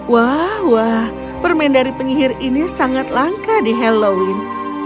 wow permen dari penyihir ini sangat langka di halloween